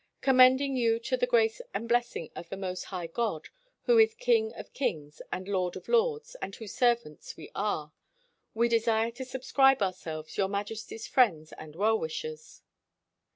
'' Commending you to the grace and bless ing of the Most High God, who is King of kings and Lord of lords, and whose servants we are, We desire to subscribe ourselves, Your Majesty's friends and well wishers.